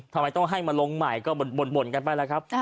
ทำไมต้องให้มาลงใหม่ก็บ่นกันไปแล้วครับ